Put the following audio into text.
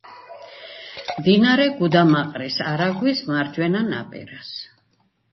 მდინარე გუდამაყრის არაგვის მარჯვენა ნაპირას.